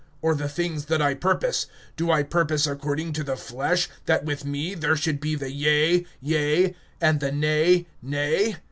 Or the things that I purpose, do I purpose according to the flesh, that with me there should be the yea, yea, and the nay, nay?